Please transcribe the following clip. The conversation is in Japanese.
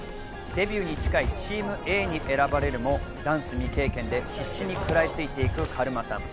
デビューに近いＴｅａｍＡに選ばれるもダンス未経験で必死に食らいついていくカルマさん。